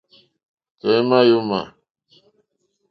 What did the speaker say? Tɔ̀ímá yǒmà.